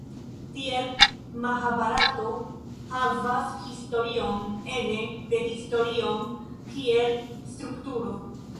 Tiel Mahabarato havas historion ene de historion kiel strukturo.